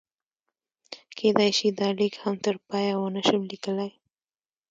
کېدای شي دا لیک هم تر پایه ونه شم لیکلی.